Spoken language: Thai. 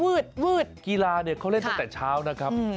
เวิร์ดเวิร์ดกีฬาเนี่ยเค้าเล่นตั้งแต่เช้านะครับ